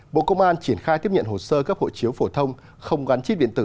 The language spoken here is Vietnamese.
bộ công an triển khai tiếp nhận hồ sơ cấp hộ chiếu phổ thông không gắn chip điện tử